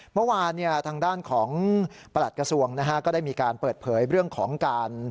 เมื่อวานทางด้านของประหลัดกระทรวงนะฮะก็ได้มีการเปิดเผยเรื่องของการ